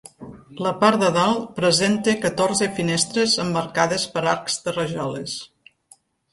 La part de dalt presenta catorze finestres emmarcades per arcs de rajoles.